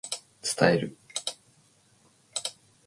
伝える